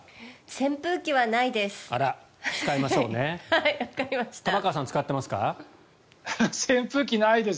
扇風機はないです。